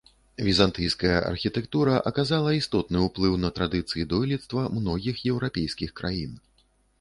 Візантыйская архітэктура аказала істотны ўплыў на традыцыі дойлідства многіх еўрапейскіх краін.